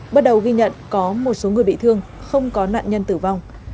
bắt đầu ghi nhận có một số người bị thương không có nạn nhân tử vong